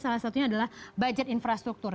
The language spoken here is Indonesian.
salah satunya adalah budget infrastruktur